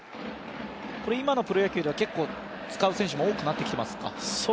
今のプロ野球では結構使う選手も多くなってきていますか。